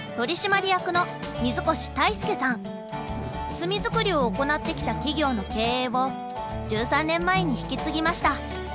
炭作りを行ってきた企業の経営を１３年前に引き継ぎました。